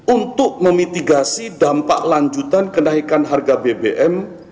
untuk memitigasi dampak lanjutan kenaikan harga bbm